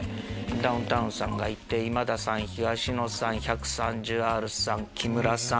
ダウンタウンさんがいて今田さん東野さん１３０Ｒさん木村さん。